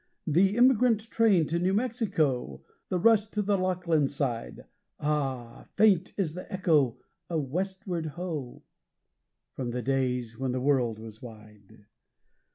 The emigrant train to New Mexico the rush to the Lachlan Side Ah! faint is the echo of Westward Ho! from the days when the world was wide.